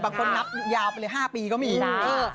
บางคนนับยาวไปเลยห้าปีก็ไม่มี